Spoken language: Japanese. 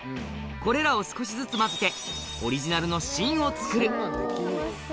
これらを少しずつ混ぜて、オリジナルの芯を作る。